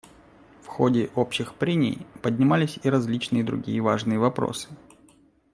В ходе общих прений поднимались и различные другие важные вопросы.